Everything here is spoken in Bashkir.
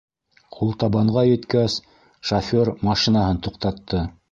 Ҡултабанға еткәс, шофёр машинаһын туҡтатты.